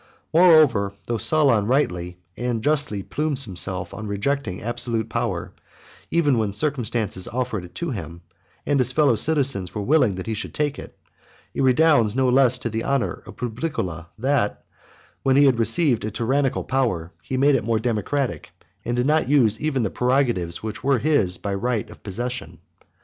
Moreover, though Solon rightly and justly plumes himself on rejecting absolute power even when circumstances offered it to him and his fellow citizens were willing that he should take it, it redounds no less to the honour of Publicola that, when he had received a tyrannical power, he made it more democratic, and did not use even the prerogatives which were his by right of possession.